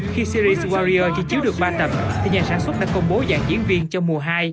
khi syri swarier chỉ chiếu được ba tập thì nhà sản xuất đã công bố dạng diễn viên cho mùa hai